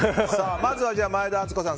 まずは前田敦子さん